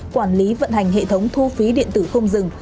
quản lý vận hành hệ thống thu phí điện tử không dừng